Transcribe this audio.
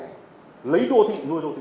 lấy đô thị nuôi đô thị